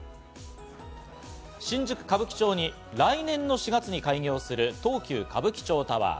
新宿・歌舞伎町に来年の４月に開業する東急歌舞伎町タワー。